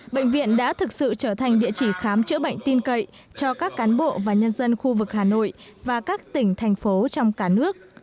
bệnh viện đã thực sự trở thành địa chỉ khám chữa bệnh tin cậy cho các cán bộ và nhân dân khu vực hà nội và các tỉnh thành phố trong cả nước